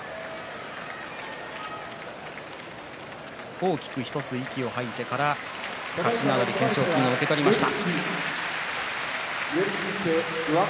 大きく１つ息を吐いてから勝ち名乗り懸賞金を受け取りました。